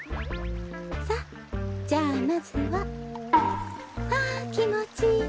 さっじゃあまずは。はあきもちいい。